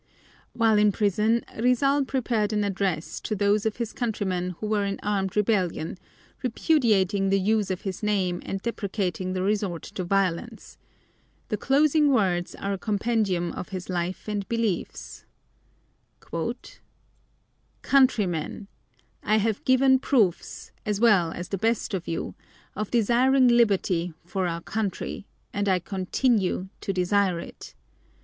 While in prison Rizal prepared an address to those of his countrymen who were in armed rebellion, repudiating the use of his name and deprecating the resort to violence. The closing words are a compendium of his life and beliefs: "Countrymen: I have given proofs, as well as the best of you, of desiring liberty for our country, and I continue to desire it.